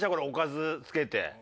おかず付けて。